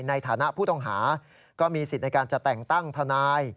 ในฐานะผู้ต้องหาก็มีสิทธิ์ในการจะแต่งตั้งทนาย